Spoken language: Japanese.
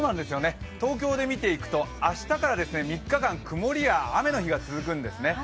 東京で見ていくと、明日から３日間曇りや雨の日が続くんですね。